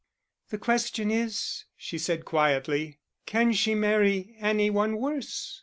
"The question is," she said quietly, "can she marry any one worse?